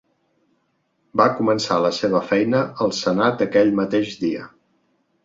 Va començar la seva feina al Senat aquell mateix dia.